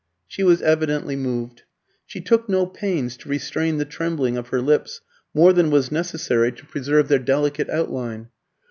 She was evidently moved. She took no pains to restrain the trembling of her lips, more than was necessary to preserve their delicate outline.